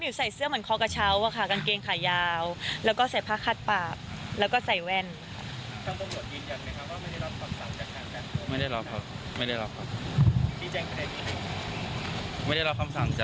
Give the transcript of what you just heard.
ไม่ได้รับคำสั่งจากใครเลยครับแค่นั้นแหละครับ